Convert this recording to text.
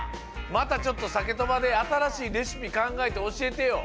またちょっとサケとばであたらしいレシピかんがえておしえてよ。